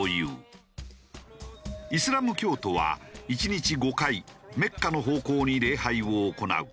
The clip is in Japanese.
イスラム教徒は１日５回メッカの方向に礼拝を行う。